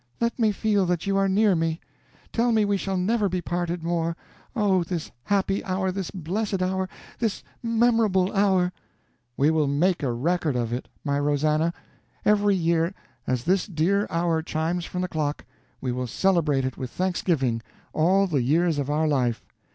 Let me feel that you are near me! Tell me we shall never be parted more! Oh, this happy hour, this blessed hour, this memorable hour!" "We will make record of it, my Rosannah; every year, as this dear hour chimes from the clock, we will celebrate it with thanksgivings, all the years of our life."